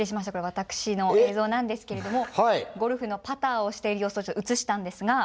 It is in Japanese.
私の映像なんですけれどもゴルフのパターをしている様子を映したんですが。